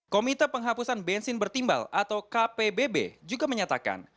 komite penghapusan bensin bertimbal atau kpbb juga menyatakan